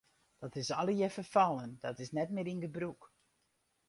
Dat is allegear ferfallen, dat is net mear yn gebrûk.